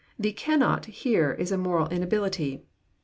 The "cannot" here is amoral inability.